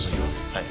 はい。